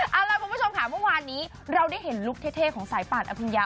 เอาล่ะคุณผู้ชมค่ะเมื่อวานนี้เราได้เห็นลุคเท่ของสายป่านอภิญญา